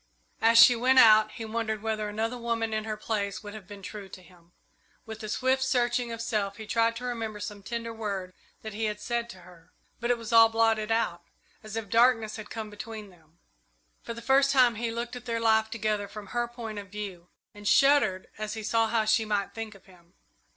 As she went out, he wondered whether another woman in her place would have been true to him. With a swift searching of self he tried to remember some tender word that he had said to her, but it was all blotted out, as if darkness had come between them. For the first time he looked at their life together from her point of view, and shuddered as he saw how she might think of him.